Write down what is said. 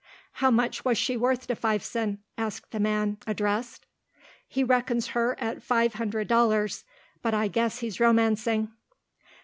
"How much was she worth to Fifeson?" asked the man addressed. "He reckons her at five hundred dollars, but I guess he's romancing."